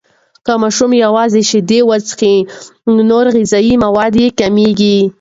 که ماشوم یوازې شیدې وڅښي، نور غذایي مواد یې کمیږي.